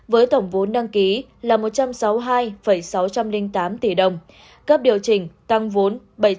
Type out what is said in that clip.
với tổng vốn đăng ký là một trăm sáu mươi hai sáu trăm linh tám tỷ đồng cấp điều chỉnh tăng vốn bảy trăm tám mươi bốn triệu usd